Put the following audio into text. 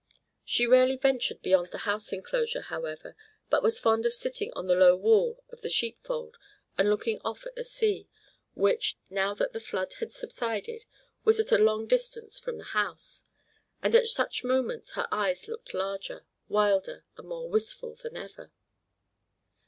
She rarely ventured beyond the house enclosure, however, but was fond of sitting on the low wall of the sheep fold and looking off at the sea, which, now that the flood had subsided, was at a long distance from the house. And at such moments her eyes looked larger, wilder, and more wistful than ever.